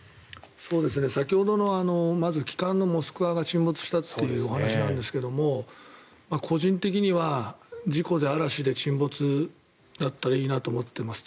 先ほどのまず旗艦の「モスクワ」が沈没したというお話ですが個人的には事故で、嵐で沈没だったらいいなと思っています。